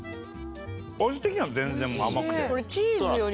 味的には全然甘くて。